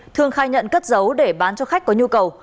thương khai nhận cất dấu để bán cho khách có nhu cầu